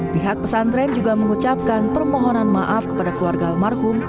dihak pesantren juga mengucapkan permohonan maaf kepada keluarga umarhum